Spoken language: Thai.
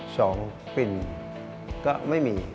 สองกลิ่นก็ไม่มี